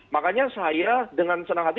makanya saya dengan senang hati